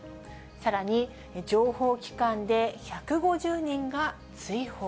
さらに、情報機関で１５０人が追放。